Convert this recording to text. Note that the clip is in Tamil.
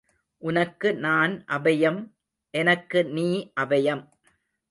உனக்கு நான் அபயம் எனக்கு நீ அபயம்.